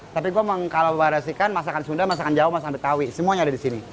tapi gue kalau memperbaiki kan masakan sunda masakan jawa masakan betawi semuanya ada disini